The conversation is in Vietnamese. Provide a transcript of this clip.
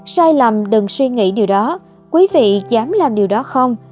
sai lầm đừng suy nghĩ điều đó quý vị dám làm điều đó không